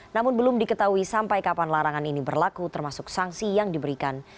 namun belum diketahui sampai kapan larangan ini berlaku termasuk sanksi yang diberikan